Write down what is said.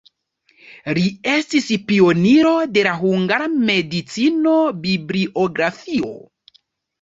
Li estis pioniro de la hungara medicino-bibliografio.